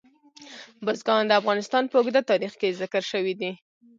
بزګان د افغانستان په اوږده تاریخ کې ذکر شوی دی.